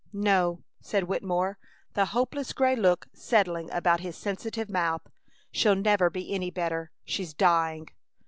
"No," said Wittemore, the hopeless gray look settling about his sensitive mouth. "She'll never be any better. She's dying!"